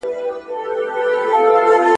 کله دې خوا کله ها خوا په ځغستا سو ..